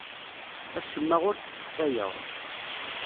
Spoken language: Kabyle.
Acemma ur t-sseḥfayeɣ.